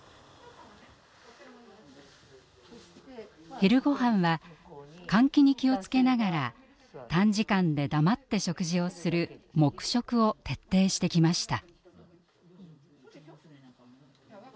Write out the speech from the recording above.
昼ごはんは換気に気を付けながら短時間で黙って食事をする「黙食」を徹底してきました。